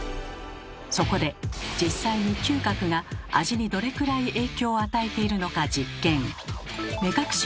そこで実際に嗅覚が味にどれくらい影響を与えているのか実験。